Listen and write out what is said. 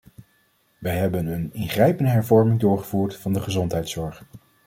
Wij hebben een ingrijpende hervorming doorgevoerd van de gezondheidszorg.